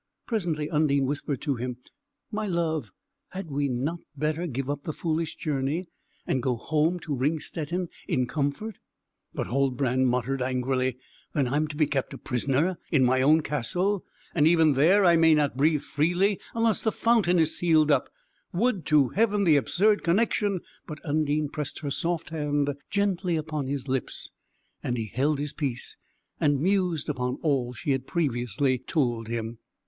Presently Undine whispered to him: "My love, had not we better give up the foolish journey, and go home to Ringstetten in comfort?" But Huldbrand muttered angrily, "Then I am to be kept a prisoner in my own castle? and even there I may not breathe freely unless the fountain is sealed up? Would to Heaven the absurd connection" But Undine pressed her soft hand gently upon his lips. And he held his peace, and mused upon all she had previously told him.